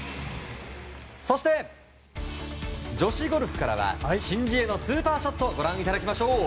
そして、女子ゴルフからはシン・ジエのスーパーショットをご覧いただきましょう。